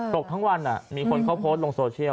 ตกทั้งวันมีคนเขาโพสต์ลงโซเชียล